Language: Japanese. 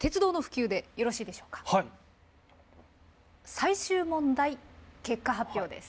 最終問題結果発表です。